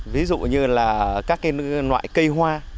ví dụ như là các cái loại cây hoa